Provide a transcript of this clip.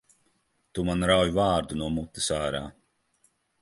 Tu man rauj vārdu no mutes ārā!